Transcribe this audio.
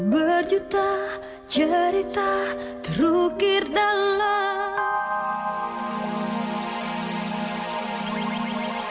berjuta cerita terukir dalam